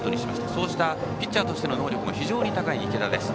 そうしたピッチャーとしての能力も非常に高い池田。